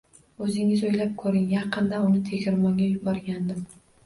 Oʻzingiz oʻylab koʻring: yaqinda uni tegirmonga yuborgandim.